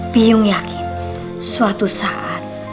biyung yakin suatu saat